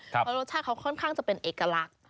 เพราะรสชาติเขาค่อนข้างจะเป็นเอกลักษณ์